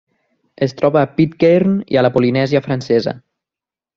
Es troba a Pitcairn i la Polinèsia Francesa.